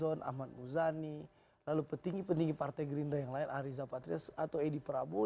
john ahmad muzani lalu petinggi petinggi partai gerindra yang lain ariza patrio atau edi prabowo